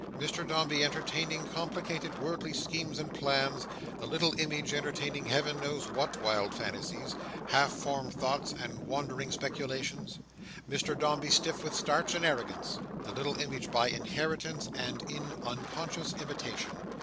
Mr Dombey entertaining complicated worldly schemes and plans; the little image entertaining Heaven knows what wild fancies, half formed thoughts, and wandering speculations. Mr Dombey stiff with starch and arrogance; the little image by inheritance, and in unconscious imitation.